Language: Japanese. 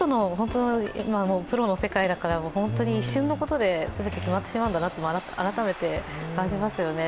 プロの世界だから本当に一瞬のことで全て決まってしまうんだなと感じますよね。